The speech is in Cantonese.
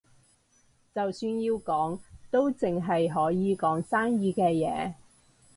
就算要講，都淨係可以講生意嘅嘢